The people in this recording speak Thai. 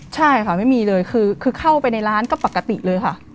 ใช่ค่ะไม่มีเลยคือเข้าไปในร้านก็ปกติเลยค่ะ